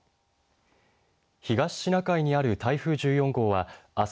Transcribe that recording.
東シナ海にある台風１４号はあす